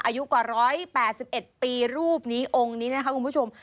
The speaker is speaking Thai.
อายุกว่า๑๘๑ปีรูปนี้องค์นี้นะคะคุณผู้ชม